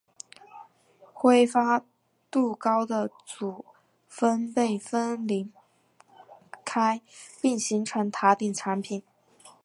挥发度高的组分被分离开并形成塔顶产品。